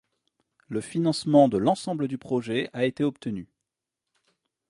Le financement de l'ensemble du projet a été obtenu.